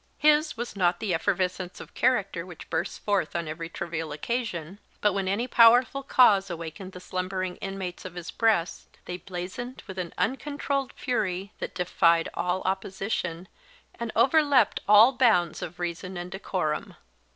His was not the effervescence of character which bursts forth on every trivial occasion; but when any powerful cause awakened the slumbering inmates, of his breast, they blazed with an uncontrolled fury that defied all opposition, and overleaped all bounds of reason and decorum.